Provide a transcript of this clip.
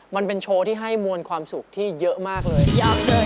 มันเป็นโชว์ที่ให้มวลความสุขที่เยอะมากเลย